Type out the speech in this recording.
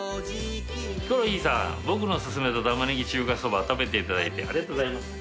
ヒコロヒーさん僕の薦めた玉葱中華そば食べていただいてありがとうございます。